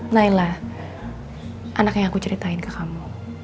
naila anak yang aku ceritain ke kamu